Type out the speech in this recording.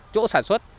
chỗ sản xuất